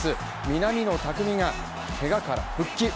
南野拓実がけがから復帰。